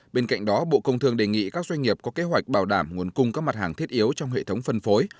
bên cạnh đó bộ công thương đề nghị các doanh nghiệp có kế hoạch bảo đảm nguồn cung các mặt hàng thiết yếu trong hệ thống phân phối